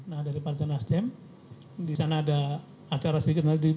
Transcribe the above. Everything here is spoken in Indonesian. nah dari partai nasdem di sana ada acara sedikit lagi